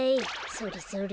それそれ。